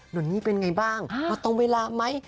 นนี่เป็นไงบ้างมาตรงเวลาไหม